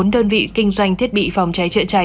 bốn đơn vị kinh doanh thiết bị phòng cháy chữa cháy